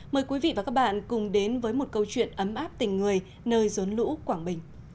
mời quý vị và các bạn cùng đến với một câu chuyện ấm áp tình người nơi rốn lũ quảng bình